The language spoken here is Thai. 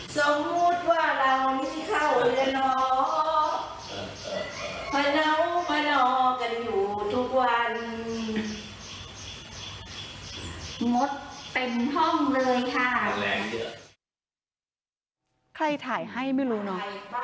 งดเต็มห้องเลยค่ะแรงเยอะใครถ่ายให้ไม่รู้เนาะ